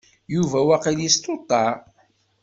Yuba waqil yestuṭeɛ.